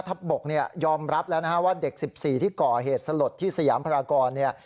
บกเนี่ยยอมรับแล้วนะฮะว่าเด็ก๑๔ที่ก่อเหตุสลดที่สยามพรากรเนี่ย